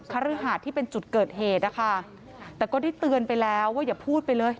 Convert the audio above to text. คฤหาสที่เป็นจุดเกิดเหตุนะคะแต่ก็ได้เตือนไปแล้วว่าอย่าพูดไปเลย